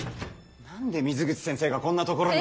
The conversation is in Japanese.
何で水口先生がこんなところに。